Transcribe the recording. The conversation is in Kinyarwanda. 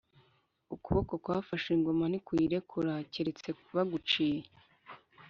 Ukuboko kwafashe ingoma ntukuyirekura keretse baguciye.